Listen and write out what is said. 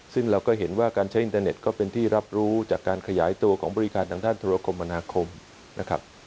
ซึ่งเราก็เห็นว่าการใช้อินเทอร์เน็ตก็เป็นที่รับรู้จากการขยายตัวของบริการทางด้านธุรกรมมนาคมนะครับ